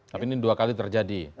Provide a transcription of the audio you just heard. tapi ini dua kali terjadi